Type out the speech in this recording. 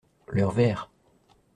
Leur verre.